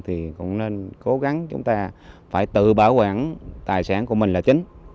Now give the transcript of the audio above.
thì cũng nên cố gắng chúng ta phải tự bảo quản tài sản của mình là chính